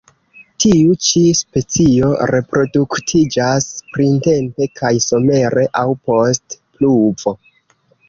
Tiu ĉi specio reproduktiĝas printempe kaj somere aŭ post pluvo.